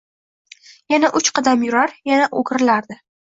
Yana uch qadam yurar, yana oʻgirilardi…